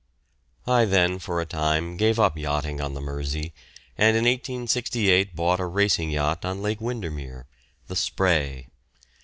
I then for a time gave up yachting on the Mersey, and in 1868 bought a racing boat on Lake Windermere, the "Spray."